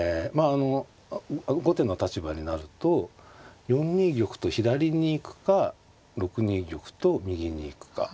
あの後手の立場になると４二玉と左に行くか６二玉と右に行くか。